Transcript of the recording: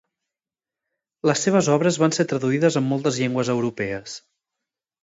Les seves obres van ser traduïdes en moltes llengües europees.